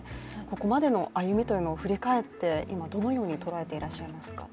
ここまでの歩みというのを振り返って今、どのようにとらえていらっしゃいますか。